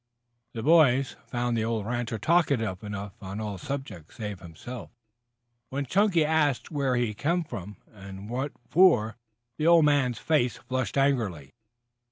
The boys found the old rancher talkative enough on all subjects save himself. When Chunky asked him where he came from, and what for, the old man's face flushed angrily.